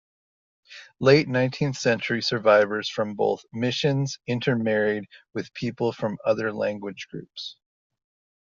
Late nineteenth century survivors from both missions intermarried with people from other language groups.